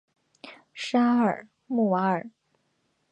沙尔穆瓦尔。